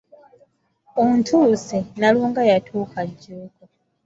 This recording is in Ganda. Ontuuse, Nnalunga yatuuka Jjuuko.